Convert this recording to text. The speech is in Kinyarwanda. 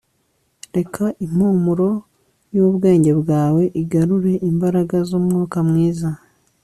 reka impumuro yubwenge bwawe igarure imbaraga zumwuka mwiza